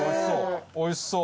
おいしそう！